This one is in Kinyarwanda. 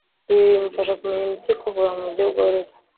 Ibi bimufasha kumenya imiti ikuvura mu buryo bworoshye